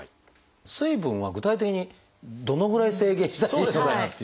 水分は具体的にどのぐらい制限したらいいのかなっていう。